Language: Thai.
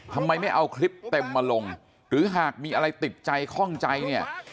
ทำไมไม่เอาคลิปเต็มมาลงหรือหากมีอะไรติดใจคล่องใจเนี่ย